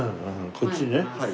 こっちね。